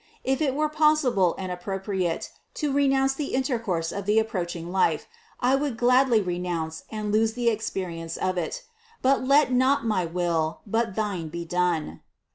If it were possible and appropriate to renounce the intercourse of approaching life, I would gladly renounce and lose the experience of it; but let not my will, but Thine be done.